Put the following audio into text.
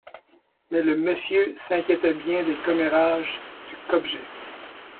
Mais le « Monsieur » s’inquiétait bien des commérages du Kopje!